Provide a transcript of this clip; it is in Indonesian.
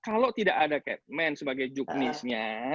kalau tidak ada cat man sebagai juknisnya